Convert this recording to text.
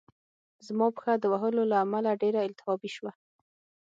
زما پښه د وهلو له امله ډېره التهابي شوه